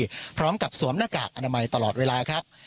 พร้อมกับสวมหน้ากากอนามัยตลอดเวลาครับ